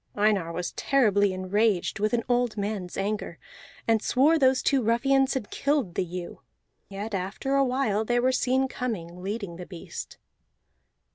Einar was terribly enraged with an old mans anger, and swore those two ruffians had killed the ewe; yet after a while they were seen coming, leading the beast.